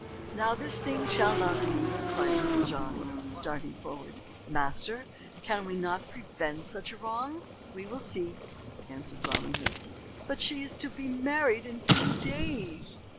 "Now this thing shall not be," cried Little John, starting forward. "Master, can we not prevent such a wrong?" "We will see," answered Robin Hood. "But she is to be married in two days."